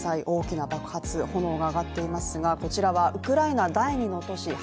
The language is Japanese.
大きな爆発、炎が上がっていますがこちらはウクライナ第２の都市